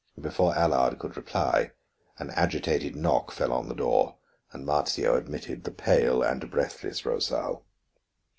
Before Allard could reply, an agitated knock fell on the door and Marzio admitted the pale and breathless Rosal.